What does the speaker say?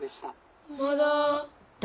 まだ。